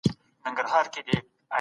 دا پړاو کلونه دوام کولی شي.